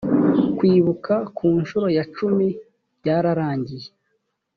kwibuka ku nshuro ya cumi byararangiye.